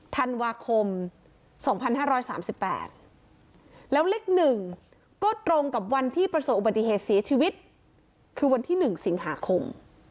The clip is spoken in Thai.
ธันวาคม๒๕๓๘แล้วเลข๑ก็ตรงกับวันที่ประสบอุบัติเหตุเสียชีวิตคือวันที่๑สิงหาคม